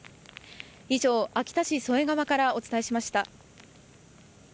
以上秋田市添川からお伝えしました。